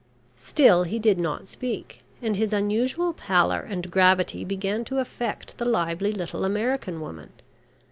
Still he did not speak, and his unusual pallor and gravity began to affect the lively little American woman.